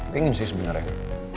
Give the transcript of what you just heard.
pengen sih sebenernya